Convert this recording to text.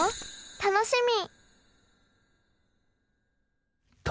楽しみ！